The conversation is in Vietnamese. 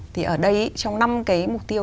thì ở đây trong năm cái mục tiêu